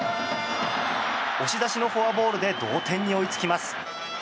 押し出しフォアボールで同点に追いつきます。